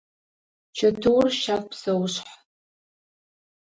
Чэтыур – щагу псэушъхь.